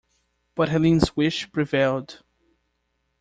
But Helene's wish prevailed.